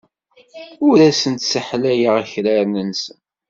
Ur asen-sseḥlayeɣ akraren-nsen.